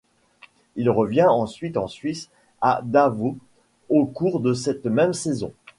Il revient ensuite en Suisse, à Davos, au cours de cette même saison.